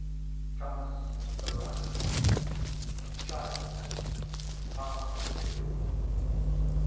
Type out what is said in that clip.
THOMAS THE RHYMER (Child, Part II., p.